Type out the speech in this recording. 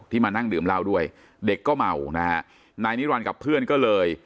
มานั่งดื่มเหล้าด้วยเด็กก็เมานะฮะนายนิรันดิ์กับเพื่อนก็เลย